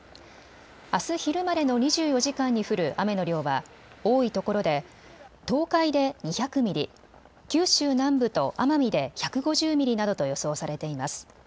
あす昼までの２４時間に降る雨の量は多いところで東海で２００ミリ、九州南部と奄美で１５０ミリなどと予想されています。